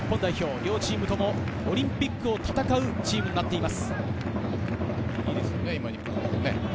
両チームともオリンピックを戦うチームになっています。